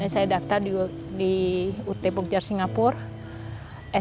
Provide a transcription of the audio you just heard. saya daftar di ut bokjar singapura